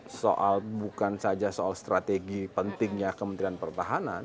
soal bukan saja soal strategi pentingnya kementerian pertahanan